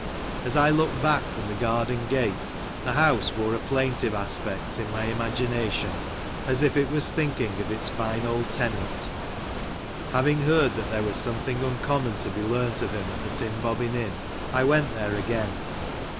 As I looked back from tbe garden gate, the house wore a plaintive aspect, in my 50 THE COTTAGE OF TIM EOBBIX, imagination, as if it was thinking of its fine old tenant. Having heard that there was something uncommon to be learnt of him at the Tim Bobbin Inn, I went there again.